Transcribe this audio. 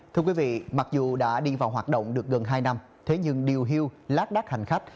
thưa quý vị mặc dù đã đi vào hoạt động được gần hai năm thế nhưng điều hiu lát đát hành khách